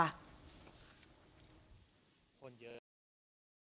อ้าวคนเยอะ